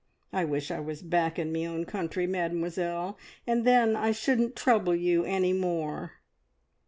I wish I was back in me own country, Mademoiselle, and then I shouldn't trouble you any more!"